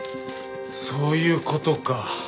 そういう事か。